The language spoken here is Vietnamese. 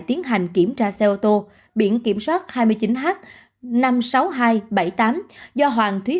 tiến hành kiểm tra xe ô tô biển kiểm soát hai mươi chín h năm mươi sáu nghìn hai trăm bảy mươi tám do hoàng thúy